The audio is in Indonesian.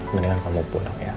mendingan kamu pulang ya